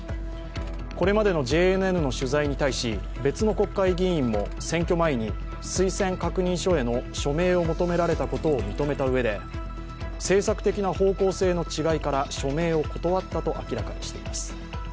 これまでのＪＮＮの取材に対し別の国会議員も選挙前に推薦確認書への署名を求められたことを認めたうえで政策的な方向性の違いから署名を断ったと明らかにしています。